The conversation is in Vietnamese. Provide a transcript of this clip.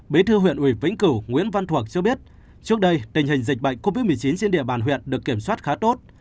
bí thư huyện ủy vĩnh cửu nguyễn văn thuộc cho biết trước đây tình hình dịch bệnh covid một mươi chín trên địa bàn huyện được kiểm soát khá tốt